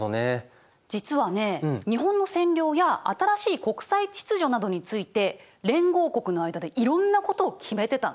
実はね日本の占領や新しい国際秩序などについて連合国の間でいろんなことを決めてたの。